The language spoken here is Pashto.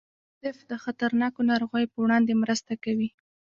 یونیسف د خطرناکو ناروغیو په وړاندې مرسته کوي.